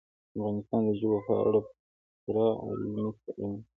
افغانستان د ژبو په اړه پوره علمي څېړنې لري.